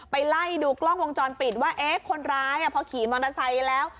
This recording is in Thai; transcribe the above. ไล่ดูกล้องวงจรปิดว่าเอ๊ะคนร้ายพอขี่มอเตอร์ไซค์แล้ว